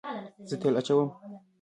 زه تیل اچوم